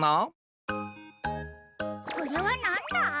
これはなんだ？